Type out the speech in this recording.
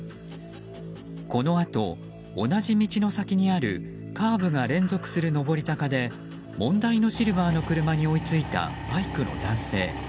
このあと、同じ道の先にあるカーブが連続する上り坂で問題のシルバーの車に追いついたバイクの男性。